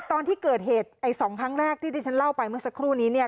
ตอนที่เกิดเหตุไอ้๒ครั้งแรกที่ที่ฉันเล่าไปเมื่อสักครู่นี้เนี่ย